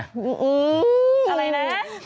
อะไรนะ